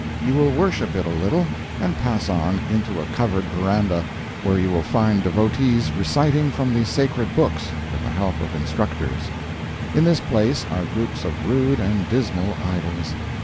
You will worship it a little, and pass on, into a covered veranda, where you will find devotees reciting from the sacred books, with the help of instructors. In this place are groups of rude and dismal idols.